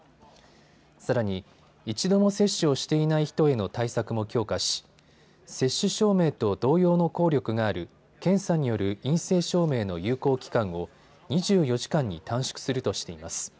さらに一度も接種していない人への対策も強化し接種証明と同様の効力がある検査による陰性証明の有効期間を２４時間に短縮するとしています。